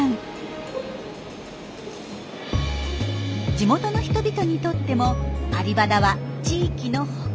地元の人々にとってもアリバダは地域の誇り。